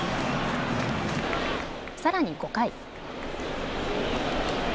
さらに５回。